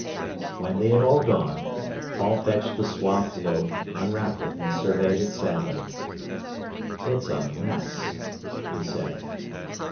When they had all gone, Paul fetched the swathed loaf, unwrapped it, and surveyed it sadly. "It's a mess!" he said.